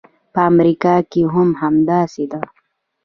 په امریکا کې هم همداسې ده.